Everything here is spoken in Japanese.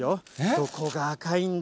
どこが赤いんだ？